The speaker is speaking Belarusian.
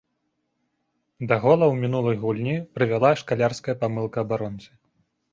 Да гола ў мінулай гульні прывяла шкалярская памылка абаронцы.